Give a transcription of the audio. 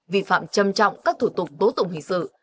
vi phạm châm trọng các thủ tục tố tụng hình sự